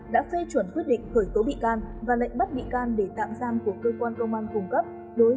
đã phê chuẩn quyết định khởi tố bị can và lệnh bắt bị can để tạm giam của cơ quan công an cung cấp